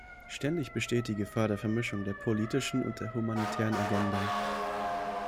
Ständig besteht die Gefahr der Vermischung der politischen und der humanitären Agenda.